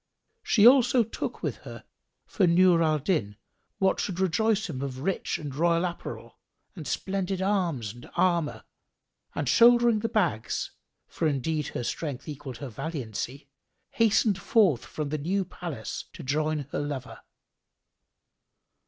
She also took with her for Nur al Din what should rejoice him of rich and royal apparel and splendid arms and armour, and shouldering the bags (for indeed her strength equalled her valiancy), hastened forth from the new palace to join her lover.